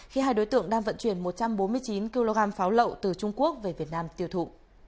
khi hai đối tượng đang vận chuyển một trăm bốn mươi chín kg pháo lậu từ trung quốc về việt nam tiêu thụ